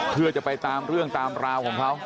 เพื่อจะไปตามเรื่องตามราวของเขา